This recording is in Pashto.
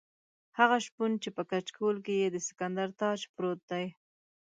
هغه شپون چې په کچکول کې یې د سکندر تاج پروت دی.